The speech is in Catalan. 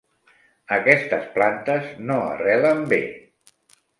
Aquestes plantes no arrelen bé.